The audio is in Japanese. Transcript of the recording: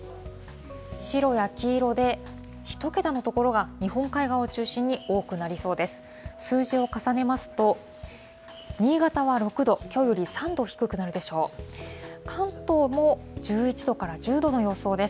白や黄色で１桁の所が、日本海側を中心に多くなりそうです。